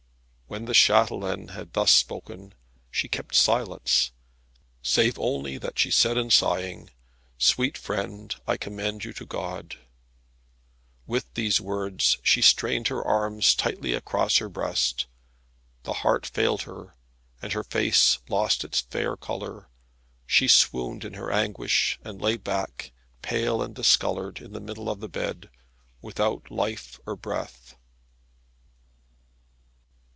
When the chatelaine had thus spoken she kept silence, save only that she said in sighing, "Sweet friend, I commend you to God." With these words she strained her arms tightly across her breast, the heart failed her, and her face lost its fair colour. She swooned in her anguish, and lay back, pale and discoloured in the middle of the bed, without life or breath.